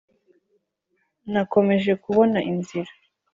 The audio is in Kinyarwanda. nakomeje kubona inzira,